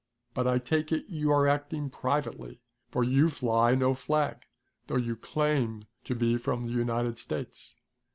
But I take it you are acting privately, for you fly no flag, though you claim to be from the United States."